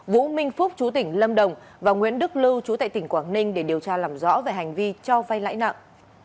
vũ minh phúc chú tỉnh lâm đồng và nguyễn đức lưu trú tại tỉnh quảng ninh để điều tra làm rõ về hành vi cho vay lãi nặng